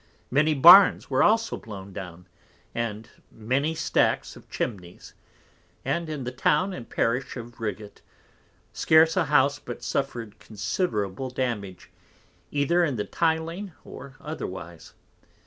Many Barns were also blown down, and many Stacks of Chimnies; and in the Town and Parish of Rigate, scarce a House but suffered considerable damage, either in the Tyling or otherwise.